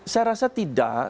saya rasa tidak